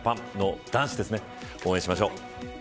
応援しましょう。